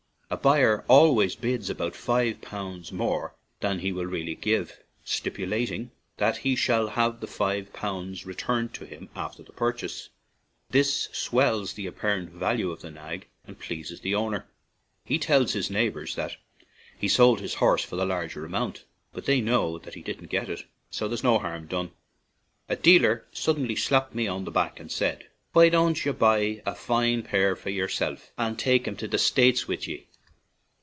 A buyer always bids about five pounds more than he will really give, stipulating that he shall have the five pounds returned to him after the purchase; this swells the apparent value of the nag and pleases the owner. He tells his neighbors that he sold his horse for the larger amount; but they know that he didn't get it, so there is no harm done. A dealer suddenly slapped me on the back and said, "Why don't yer buy a foine pair for yersilf and take 'em to the States wid ye?"